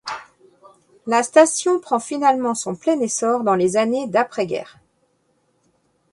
La station prend finalement son plein essor dans les années d'après-guerre.